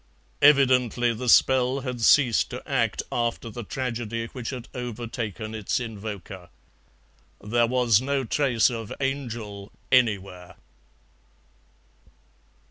Evidently the spell had ceased to act after the tragedy which had overtaken its invoker. There was no trace of angel anywhere.